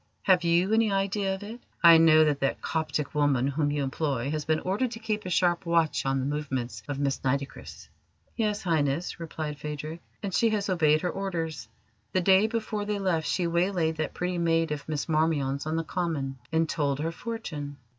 Have you any idea of it? I know that that Coptic woman whom you employ has been ordered to keep a sharp watch on the movements of Miss Nitocris." "Yes, Highness," replied Phadrig, "and she has obeyed her orders. The day before they left she waylaid that pretty maid of Miss Marmion's on the Common, and told her fortune.